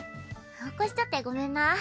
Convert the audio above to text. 起こしちゃってごめんな。